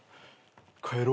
帰ろう。